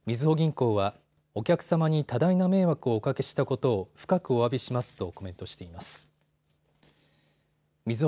みずほ銀行はお客様に多大な迷惑をおかけしたことを深くおわびしますとコメントしています。